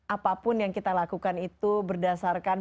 apapun yang kita lakukan itu berdasarkan